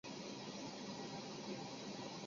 这次地震也称为奥尻岛地震。